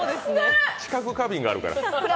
知覚過敏があるから。